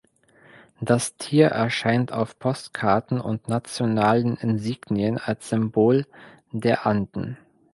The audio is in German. Das Tier erscheint auf Postkarten und nationalen Insignien als Symbol der Anden.